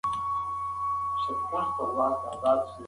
هغه د هېواد د پرمختګ لپاره نوي قوانین جوړ کړل.